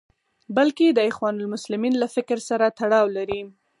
بلکې د اخوان المسلمین له فکر سره تړاو لري.